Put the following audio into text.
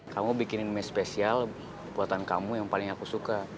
kamu bikinin mie spesial buatan kamu yang paling aku suka